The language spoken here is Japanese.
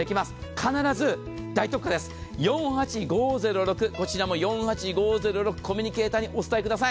必ず大特価です、４８５０６、コミュニケーターにお伝えください。